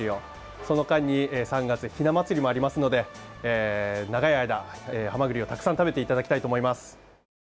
その間に、３月ひな祭りもありますので長い間、ハマグリをたくさん食べていただきたいと思います。